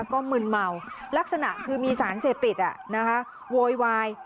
ก็มึนเมาลักษณะคือมีสารเสพติดโวยวาย